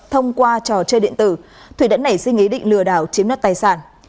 thông qua trò chơi điện tử thủy đã nảy sinh ý định lừa đảo chiếm đoạt tài sản